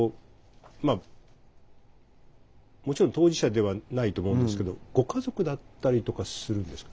まあもちろん当事者ではないと思うんですけどご家族だったりとかするんですか？